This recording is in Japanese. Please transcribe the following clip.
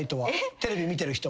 テレビ見てる人も。